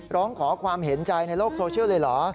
ร้องขอความเห็นใจในโลกโซเชียลเลยเหรอ